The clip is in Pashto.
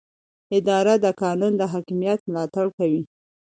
اداره د قانون د حاکمیت ملاتړ کوي.